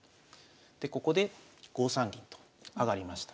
でここで５三銀と上がりました。